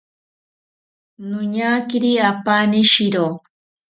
Noñakiri apaani shiro